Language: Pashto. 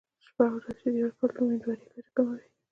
شپه او ورځ شیدې ورکول د امیندوارۍ کچه کموي.